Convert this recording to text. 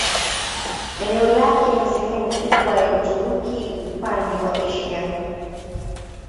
Eneo lake ni sehemu kubwa ya Uturuki upande wa Asia.